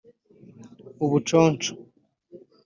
ubuconsho